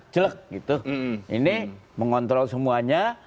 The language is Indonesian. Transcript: jelek gitu ini mengontrol semuanya